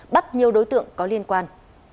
bắt nhiều đối tượng có liên quan